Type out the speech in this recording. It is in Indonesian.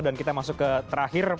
dan kita masuk ke terakhir